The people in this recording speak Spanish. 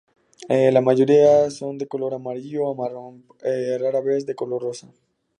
La mayoría son de color amarillo a marrón, rara vez de color rosa.